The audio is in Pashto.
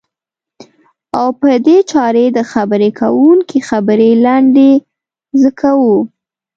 او په دې چارې د خبرې کوونکي خبرې لنډی ز کوو.